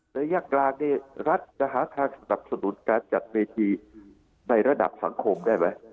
ระยะกลางรัฐจะหาทางสนับสนุนการจัดเวทีในระดับสังคมได้ไหม